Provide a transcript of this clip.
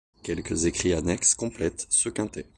Quelques écrits annexes complètent ce quintet.